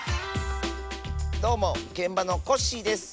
どうもげんばのコッシーです。